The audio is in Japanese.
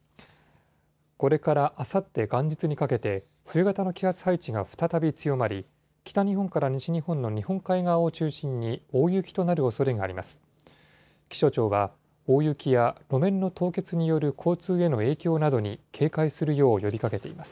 これからあさって元日にかけて、冬型の気圧配置が再び強まり、北日本から西日本の日本海側を中心に、大雪となるおそれがあります。